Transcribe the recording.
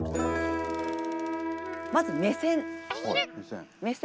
まず目線。